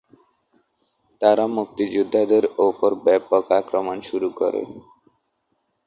তারা মুক্তিযোদ্ধাদের ওপর ব্যাপক আক্রমণ শুরু করে।